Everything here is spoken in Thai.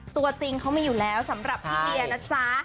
ตัวจริงเขามีอยู่แล้วสำหรับพี่เบียร์นะจ๊ะ